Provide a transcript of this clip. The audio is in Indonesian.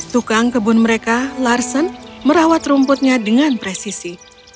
tukang kebun mereka larsen merawat rumputnya dengan presisi